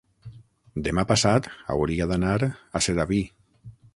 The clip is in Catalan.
Demà passat hauria d'anar a Sedaví.